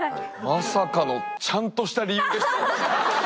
まさかのちゃんとした理由でした。